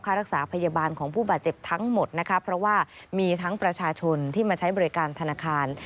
รักษาพยาบาลของผู้บาดเจ็บทั้งหมดนะคะเพราะว่ามีทั้งประชาชนที่มาใช้บริการธนาคาร